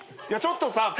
いやちょっとさ